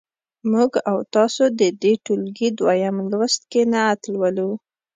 موږ او تاسو د دې ټولګي دویم لوست کې نعت لولو.